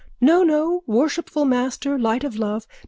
_ No, no, worshipful master, light of love.